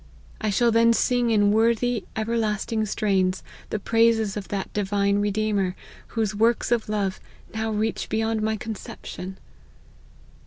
I shall then sing in worthy, everlasting strains, the praises of that divine Redeemer, whose works of love now reach beyond my conception."